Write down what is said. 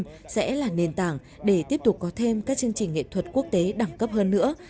đây sẽ là nền tảng để tiếp tục có thêm các chương trình nghệ thuật quốc tế đẳng cấp hơn nữa